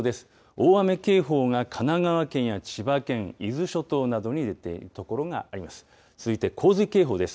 大雨警報が、神奈川県や千葉県、伊豆諸島などに出ている所があります。